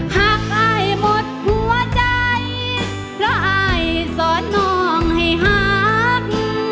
อายหมดหัวใจเพราะอายสอนน้องให้หัก